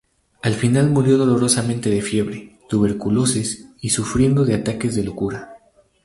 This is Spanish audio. Al final murió dolorosamente de fiebre, tuberculosis y sufriendo de ataques de locura.